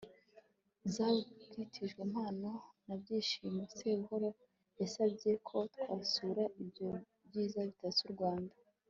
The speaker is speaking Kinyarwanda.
zabatijwe mpamo na byishimo sebuhoro yasabye ko twasura ibyo byiza bitatse u rwanda